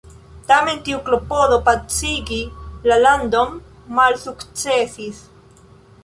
Tamen tiu klopodo pacigi la landon malsukcesis.